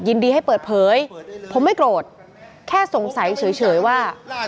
ยินดีให้เปิดเผยผมไม่โกรธแค่สงสัยเฉยว่า